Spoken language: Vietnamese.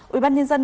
ủy ban nhân dân